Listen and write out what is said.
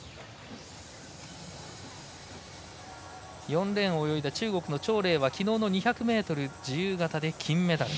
４レーンを泳いだ中国の張麗はきのうの２００ｍ自由形で金メダル。